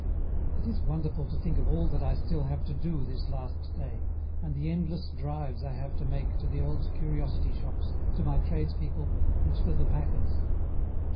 It is wonderful to think of all that I still have to do this last day, and the endless drives I have to make to the old curiosity shops, to my tradespeople, and to the packers.